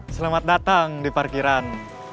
selamat datang di parkiran